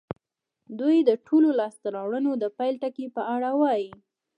دوی د ټولو لاسته راوړنو د پيل ټکي په اړه وايي.